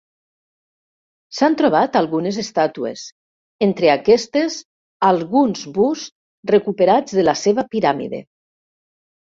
S'han trobat algunes estàtues, entre aquestes alguns busts recuperats de la seva piràmide.